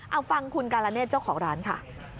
เอาฟังคุณกาลเนธเจ้าของร้านค่ะ